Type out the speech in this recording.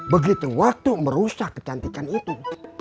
begitu waktu merusak kecantikan itu